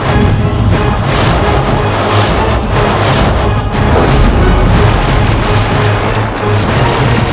ini hanya cara berjalan